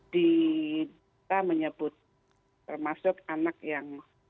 kita menyebut termasuk anak yang